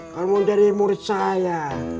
kalau mau jadi murid saya